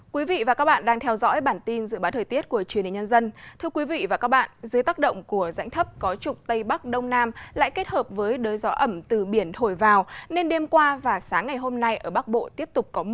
các bạn hãy đăng ký kênh để ủng hộ kênh của chúng mình nhé